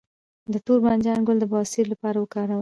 د تور بانجان ګل د بواسیر لپاره وکاروئ